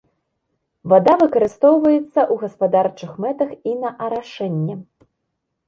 Вада выкарыстоўваецца ў гаспадарчых мэтах і на арашэнне.